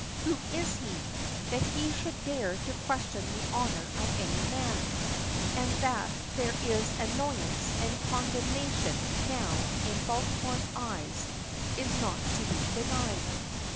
Who is he, that he should dare to question the honor of any man; and that there is annoyance and condemnation now in Baltimore's eyes is not to be denied.